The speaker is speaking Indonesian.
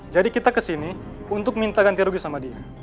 jadi kita kesini untuk minta ganti rugi sama dia